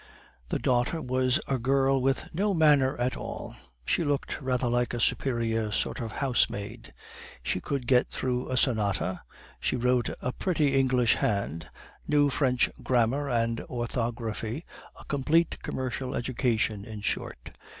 "The daughter was a girl with no manner at all. She looked rather like a superior sort of housemaid. She could get through a sonata, she wrote a pretty English hand, knew French grammar and orthography a complete commercial education, in short.